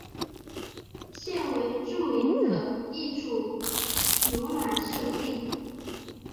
现为著名的一处游览胜地。